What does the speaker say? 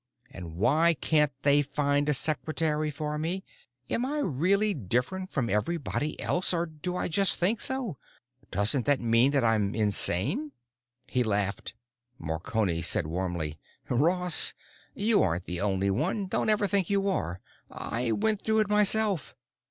And why can't they find a secretary for me? And am I really different from everybody else or do I just think so—and doesn't that mean that I'm insane?" He laughed. Marconi said warmly, "Ross, you aren't the only one; don't ever think you are. I went through it myself.